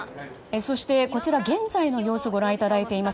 そしてこちら、現在の様子をご覧いただいています。